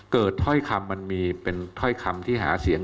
ถ้อยคำมันมีเป็นถ้อยคำที่หาเสียง